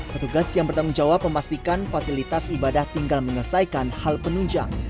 petugas yang bertanggung jawab memastikan fasilitas ibadah tinggal menyelesaikan hal penunjang